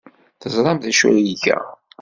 Teẓram d acu ay iga?